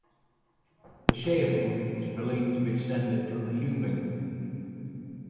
The shaobing is believed to be descended from the hubing.